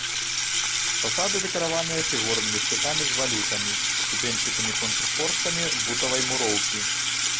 Фасады дэкарыраваныя фігурнымі шчытамі з валютамі, ступеньчатымі контрфорсамі бутавай муроўкі.